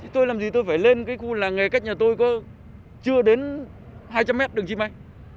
tôi làm gì tôi phải lên cái khu làng nghề cách nhà tôi có chưa đến hai trăm linh mét đường chim mạnh